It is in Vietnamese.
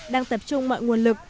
đang tập trung mọi nguồn lực